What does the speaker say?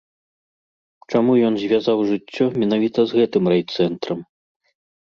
Чаму ён звязаў жыццё менавіта з гэтым райцэнтрам?